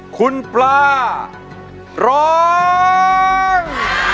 คุณปลาร้อง